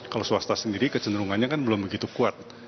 kalau swasta sendiri kecenderungannya kan belum begitu kuat